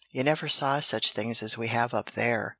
You never saw such things as we have up there!"